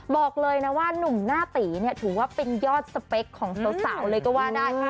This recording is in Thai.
บอกเลยนะว่านุ่มหน้าตีเนี่ยถือว่าเป็นยอดสเปคของสาวเลยก็ว่าได้